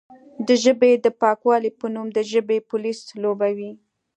د ژبې د پاکوالې په نوم د ژبې پولیس لوبوي،